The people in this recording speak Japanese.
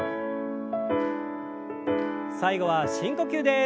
最後は深呼吸です。